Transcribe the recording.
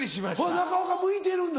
中岡向いてるんだ。